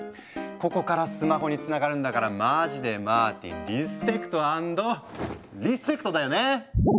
ここからスマホにつながるんだからまじでマーティンリスペクト・アンドリスペクトだよね。